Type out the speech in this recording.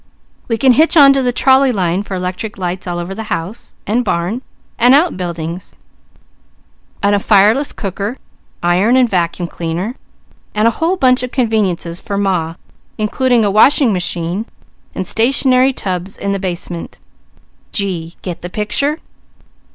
We can hitch on to the trolley line for electric lights all over the house, and barn, and outbuildings, and fireless cooker, iron, and vacuum cleaner, and a whole bunch of conveniences for Ma, including a washing machine, and stationary tubs in the basement. Gee! Get the picture?"